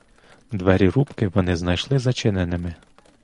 Двері рубки вони знайшли зачиненими.